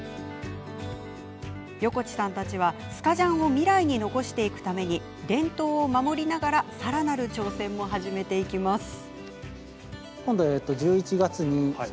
横地さんたちはスカジャンを未来に残していくために伝統を守りながらさらなる挑戦も始めていきます。